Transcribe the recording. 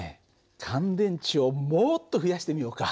乾電池をもっと増やしてみようか。